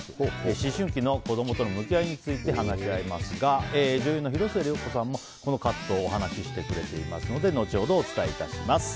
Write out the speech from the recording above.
思春期の子供との向き合いについて話し合いますが女優の広末涼子さんもこの葛藤をお話ししてくれていますので後ほど、お伝えいたします。